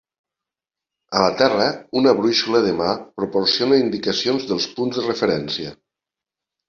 A la terra, una brúixola de mà proporciona indicacions dels punts de referència.